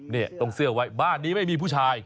แบบว่าต้องเสื้อเอาไว้บ้านนี้ไม่มีผู้ชาย